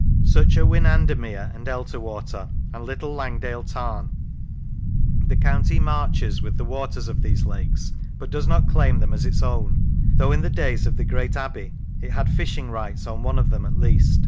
Such are Winandermere and Elterwater, and Little Langdale Tarn. The county " marches " with the waters of these lakes, but does not claim them as its own; though in the days of the great Abbey it had fishing rights on one of them at least.